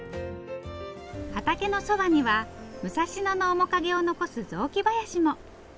畑のそばには武蔵野の面影を残す雑木林も。